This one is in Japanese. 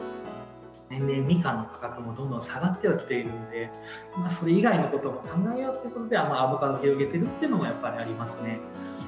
年々、ミカンの価格もどんどん下がってはきているんで、それ以外のことを考えようということで、アボカドに広げているっていうのはありますね。